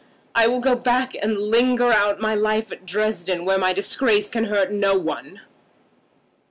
I will go back and linger out my life at Dresden, where my disgrace can hurt no one."